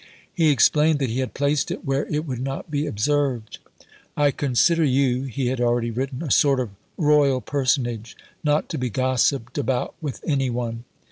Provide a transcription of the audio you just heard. He explained that he had placed it where it would not be observed. "I consider you," he had already written, "a sort of Royal personage, not to be gossiped about with any one."